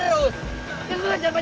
terus aja jangan banyak ngomong